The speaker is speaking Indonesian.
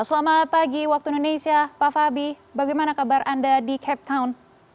selamat pagi waktu indonesia pak fabi bagaimana kabar anda di cape town